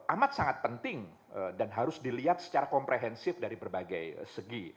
amat sangat penting dan harus dilihat secara komprehensif dari berbagai segi